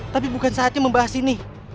tapi bukan saatnya membahas ini